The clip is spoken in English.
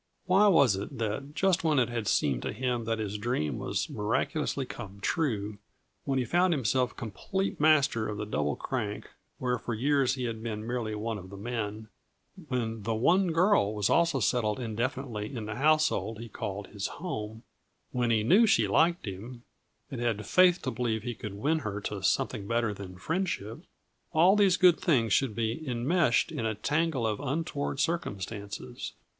Why was it that, just when it had seemed to him that his dream was miraculously come true; when he found himself complete master of the Double Crank where for years he had been merely one of the men; when the One Girl was also settled indefinitely in the household he called his home; when he knew she liked him, and had faith to believe he could win her to something better than friendship all these good things should be enmeshed in a tangle of untoward circumstances?